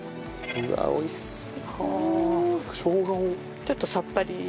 うわ美味しそう。